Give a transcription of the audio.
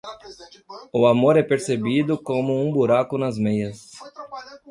O amor é percebido como um buraco nas meias.